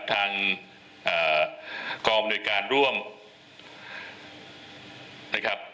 ทางกองอำนวยการร่วมนะครับ